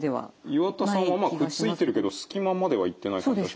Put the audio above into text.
岩田さんはくっついてるけどすき間まではいってない感じがしますね。